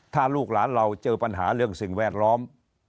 ถ้าลูกหลานเราเจอปัญหาเรื่องสิ่งแวดล้อม